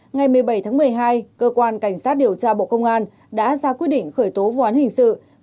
ngày một mươi bảy tháng một mươi hai cơ quan cảnh sát điều tra bộ công an đã ra quyết định khởi tố vụ án hình sự